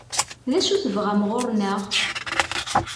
D acu i tebɣam ɣur-neɣ?